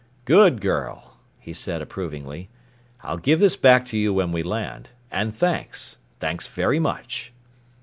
"Good girl!" he said approvingly. "I'll give this back to you when we land. And thanks. Thanks very much!"